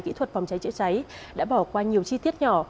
kỹ thuật phòng cháy chữa cháy đã bỏ qua nhiều chi tiết nhỏ